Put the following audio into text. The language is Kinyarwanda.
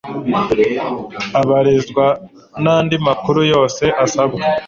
abarizwa n andi makuru yose asabwa